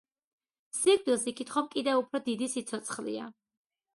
სიკვდილს იქით ხომ კიდევ უფრო დიდი სიცოცხლეა